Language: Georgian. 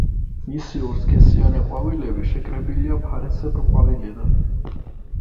მისი ორსქესიანი ყვავილები შეკრებილია ფარისებრ ყვავილედად.